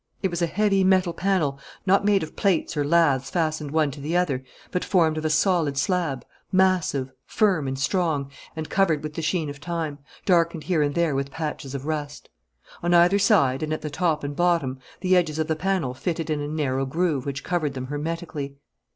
It was a heavy metal panel, not made of plates or lathes fastened one to the other, but formed of a solid slab, massive, firm, and strong, and covered with the sheen of time darkened here and there with patches of rust. On either side and at the top and bottom the edges of the panel fitted in a narrow groove which covered them hermetically.